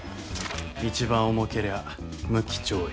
一番重けりゃ無期懲役。